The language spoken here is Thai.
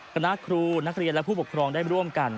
คณะครูนักเรียนและผู้ปกครองได้ร่วมกัน